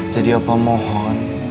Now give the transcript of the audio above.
jadi opah mohon